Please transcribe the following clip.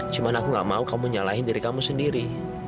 cuma aku gak mau kamu nyalahin diri kamu sendiri